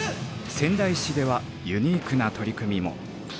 仙台市ではユニークな取り組みも。